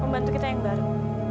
membantu kita yang baru